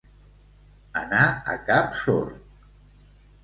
Anar a cap sord.